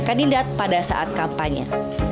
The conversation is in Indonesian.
kandidat pada saat kampanye